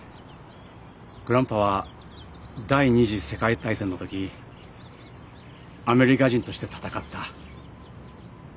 グランパは第２次世界大戦の時アメリカ人として戦った。